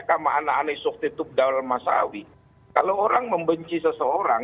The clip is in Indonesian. kalau orang membenci seseorang